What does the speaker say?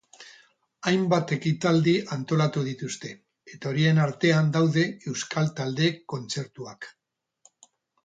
Hainbat ekitaldi antolatu dituzte, eta horien artean daude euskal taldeek kontzertuak.